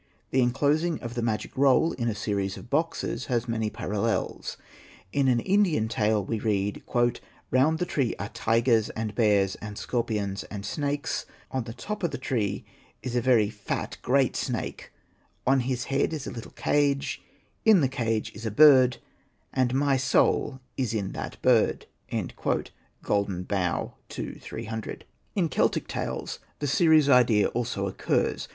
The enclosing of the magic roll in a series of boxes has many parallels. In an Indian tale we read :" Round the tree are tigers and bears and scorpions and snakes ; on the top of the tree is a very fat great snake ; on his head is a little cage ; in the cage is a bird ; and my soul is in that bird" ('^Golden Bough," ii. 300). In Celtic tales the series idea also occurs.